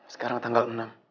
sekarang tanggal enam